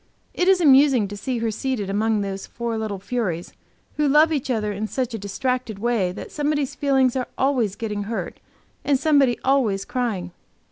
It is amusing to see her seated among those four little furies, who love each other in such a distracted way that somebody's feelings are always getting hurt, and somebody always crying.